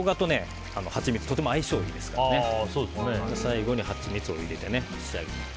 ショウガとはちみつとても相性がいいですから最後にはちみつを入れて仕上げていきます。